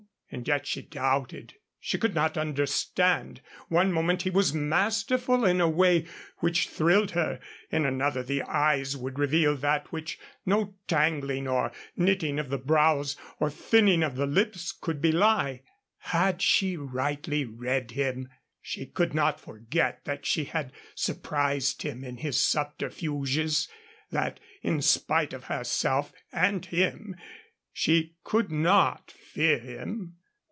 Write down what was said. And yet she doubted. She could not understand. One moment he was masterful in a way which thrilled her. In another the eyes would reveal that which no tangling or knitting of the brows or thinning of the lips could belie. Had she rightly read him? She could not forget that she had surprised him in his subterfuges, that, in spite of herself and him, she could not fear him.